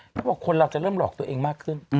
เขาบอกคนเราจะเริ่มหลอกตัวเองมากขึ้น